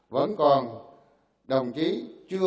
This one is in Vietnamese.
vẫn còn đồng chí chưa cư mọt